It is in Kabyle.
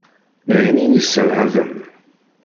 D ayen i y-isserhaben.